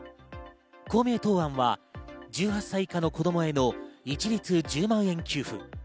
公明党案は１８歳以下の子供への一律１０万円給付。